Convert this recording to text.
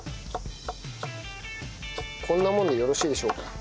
こんなものでよろしいでしょうか？